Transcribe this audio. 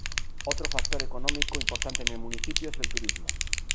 Otro factor económico importante en el municipio es el turismo.